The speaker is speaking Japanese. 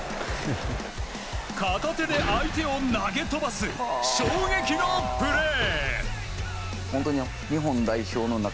片手で相手を投げ飛ばす衝撃のプレー。